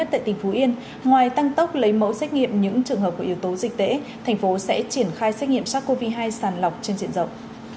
tại tỉnh phú yên ngoài tăng tốc lấy mẫu xét nghiệm những trường hợp của yếu tố dịch tễ thành phố sẽ triển khai xét nghiệm sars cov hai sàn lọc trên diện rộng